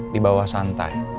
di bawah santai